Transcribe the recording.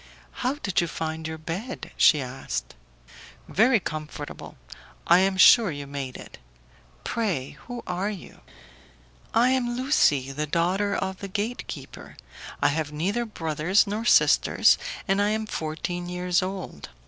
"How did you find your bed?" she asked. "Very comfortable; I am sure you made it. Pray, who are you?" "I am Lucie, the daughter of the gate keeper: I have neither brothers nor sisters, and I am fourteen years old.